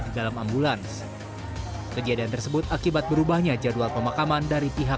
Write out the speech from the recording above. di dalam ambulans kejadian tersebut akibat berubahnya jadwal pemakaman dari pihak